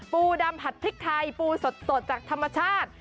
ปูดำผัดพริกไทยปูสดจากธรรมชาติ